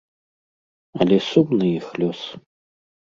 Але сумны іх лёс.